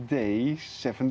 tujuh hari seminggu